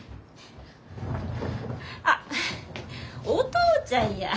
あっお父ちゃんや。